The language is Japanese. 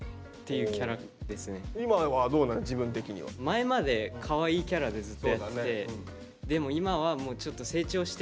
前までかわいいキャラでずっとやってて。